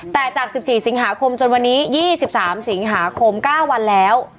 แต่จาก๑๔สิงหาคมจนวันนี้๒๓สิงหาคม๙วันแล้ว